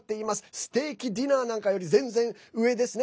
ステーキディナーなんかより全然、上ですね。